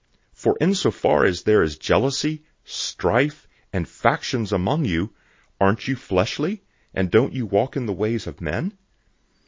For insofar as there is jealousy, strife, and factions among you, aren't you fleshly, and don't you walk in the ways of men?